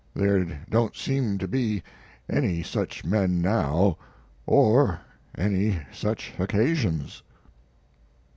There don't seem to be any such men now or any such occasions."